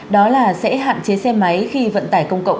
đó là sẽ hạn chế xe máy khi vận tải công cộng